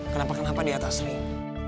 kenapa kenapa di atas ring